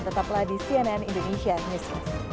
tetaplah di cnn indonesia news